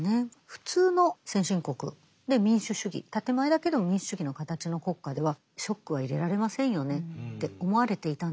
普通の先進国で民主主義建て前だけど民主主義の形の国家ではショックは入れられませんよねって思われていたんですけど